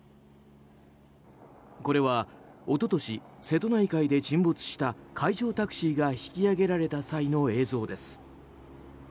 これは一昨年、瀬戸内海で沈没した海上タクシーが引き揚げられた際の映像です。